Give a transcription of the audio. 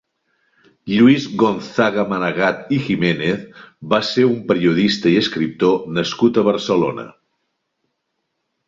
Lluís Gonzaga Manegat i Giménez va ser un periodista i escriptor nascut a Barcelona.